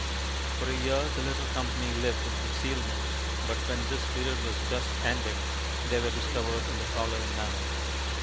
For a year the little company lived in conceal ment, but when this period was just ending they were discovered in the following manner.